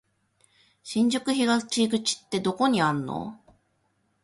新宿東口ってどこにあんの？